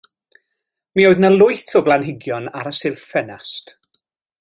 Mi oedd 'na lwyth o blanhigion ar y silff ffenast.